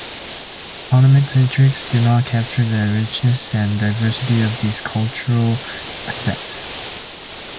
Economic metrics do not capture the richness and diversity of these cultural aspects.